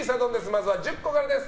まずは１０個からです。